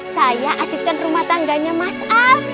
saya asisten rumah tangganya mas a